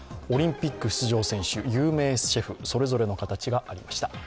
オリンピック出場選手、有名シェフそれぞれの形がありました。